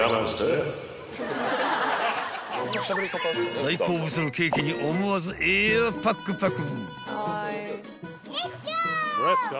［大好物のケーキに思わずエアパクパク］